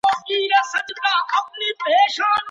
کیسې بې پایلي نه وي.